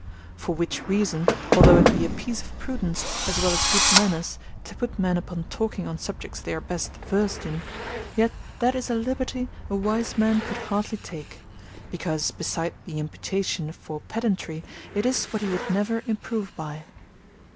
For which reason, although it be a piece of prudence, as well as good manners, to put men upon talking on subjects they are best versed in, yet that is a liberty a wise man could hardly take; because, beside the imputation for pedantary, it is what he would never improve by.